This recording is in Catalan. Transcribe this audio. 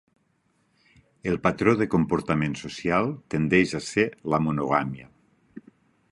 El patró de comportament social tendeix a ser la monogàmia.